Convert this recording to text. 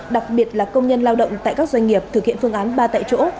đặc biệt là công nhân lao động tại các doanh nghiệp thực hiện phương án ba tại chỗ